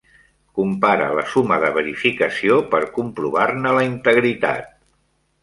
Compara la suma de verificació per comprovar-ne la integritat.